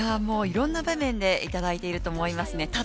いろんな場面でいただいていると思いますね。